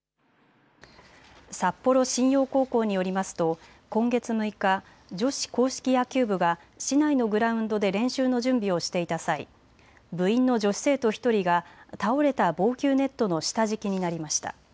札幌新陽高校によりますと今月６日、女子硬式野球部が市内のグラウンドで練習の準備をしていた際、部員の女子生徒１人が倒れた防球ネットの下敷きになりました。